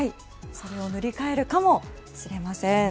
それを塗り替えるかもしれません。